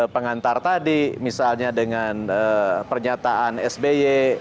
pengantar tadi misalnya dengan pernyataan sby